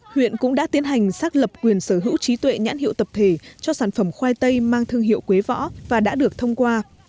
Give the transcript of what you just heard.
huyện cũng đã tiến hành xác lập quyền sở hữu trí tuệ nhãn hiệu tập thể cho sản phẩm khoai tây mang thương hiệu quế võ và đã được thông qua